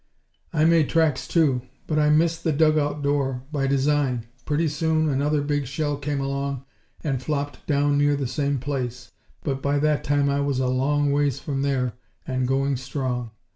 "I made tracks too, but I missed the dugout door by design! Pretty soon another big shell came along and flopped down near the same place, but by that time I was a long ways from there and going strong.